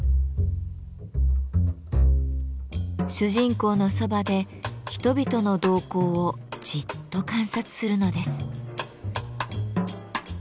主人公のそばで人々の動向をじっと観察するのです。